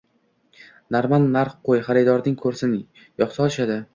Normal narx qo‘y, xaridorlaring ko‘rsin, yoqsa olishadi.